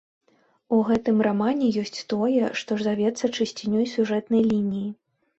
У гэтым рамане ёсць тое, што завецца чысцінёй сюжэтнай лініі.